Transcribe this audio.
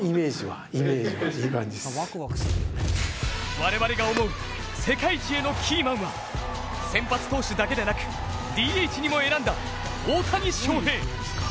我々が思う世界一へのキーマンは先発投手だけでなくＤＨにも選んだ大谷翔平。